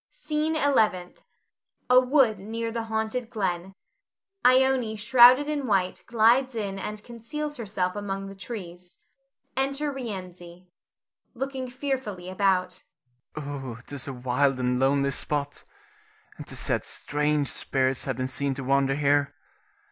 SCENE ELEVENTH. [A wood near the haunted glen. Ione shrouded in white glides in and conceals herself among the trees. Enter Rienzi.] Rienzi [looking fearfully about]. 'Tis a wild and lonely spot, and 'tis said strange spirits have been seen to wander here.